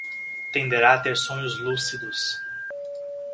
Tenderá a ter sonhos lúcidos